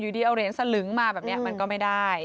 ดีเอาเหรียญสลึงมาแบบนี้มันก็ไม่ได้